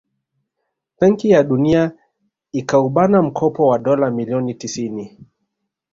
Benki ya Dunia ikaubana mkopo wa dola milioni tisini